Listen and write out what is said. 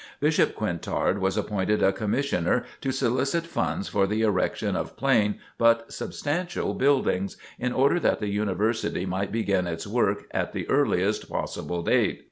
Bishop Quintard was appointed a Commissioner to solicit funds for the erection of plain but substantial buildings, in order that the University might begin its work at the earliest possible date.